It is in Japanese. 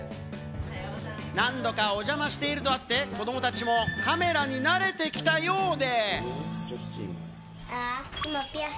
何度かお邪魔しているとあって子供たちもカメラに慣れてきたようで。